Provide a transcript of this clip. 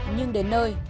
nhưng đến nơi